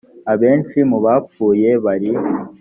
abenshi mu bapfuye bari